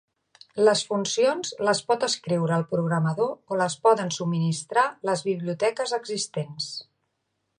Les funcions les pot escriure el programador o les poden subministrar les biblioteques existents.